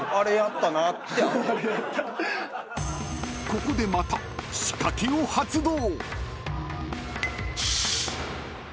［ここでまた仕掛けを発動］